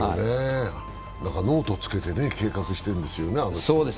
ノートをつけて計画してるんですよね。